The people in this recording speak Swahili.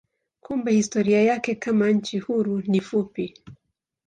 Kumbe historia yake kama nchi huru ni fupi.